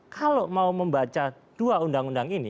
kalau mau membaca dua undang undang ini